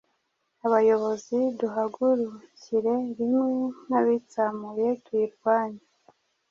abayobozi duhagurukire rimwe nk’abitsamuye tuyirwanye